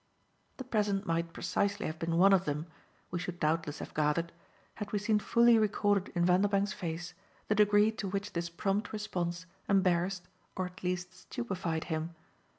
The present might precisely have been one of them, we should doubtless have gathered, had we seen fully recorded in Vanderbank's face the degree to which this prompt response embarrassed or at least stupefied him.